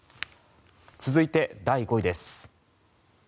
続いて、第５位です。